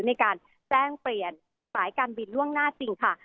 ในการแจ้งเปลี่ยนสายการบินล่วงหน้าจริงค่ะ